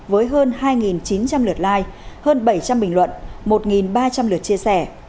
với hơn hai chín trăm linh lượt like hơn bảy trăm linh bình luận một ba trăm linh lượt chia sẻ